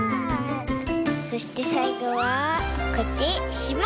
そしてさいごはこうやってしまう！